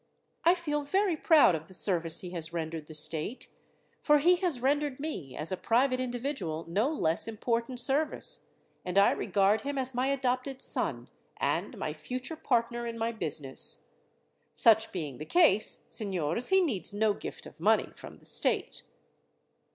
I feel very proud of the service he has rendered the state, for he has rendered me as a private individual no less important service, and I regard him as my adopted son, and my future partner in my business. Such being the case, signors, he needs no gift of money from the state."